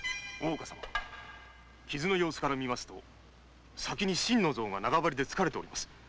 傷の様子から見ますと先に心の臓が長針で突かれております。